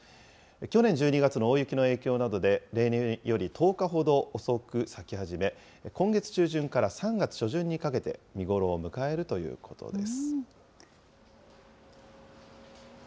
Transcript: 去年１２月の大雪の影響などで、例年より１０日ほど遅く咲き始め、今月中旬から３月初旬にかけて見頃を迎えるということです。